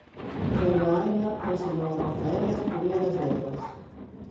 Dona Ana ensinou a Rafael as primeiras letras.